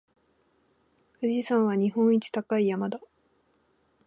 富士山は日本一高い山だ。